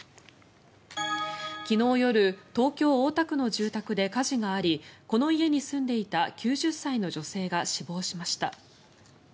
昨日夜東京・大田区の住宅で火事がありこの家に住んでいた９０歳の女性が死亡しました。